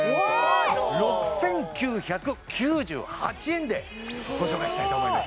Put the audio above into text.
６９９８円でご紹介したいと思います